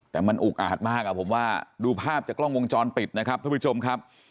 แต่มันอุกอาจมากผมว่าดูภาพจากกล้องวงจรปิดนะครับท่านผู้ชมครับ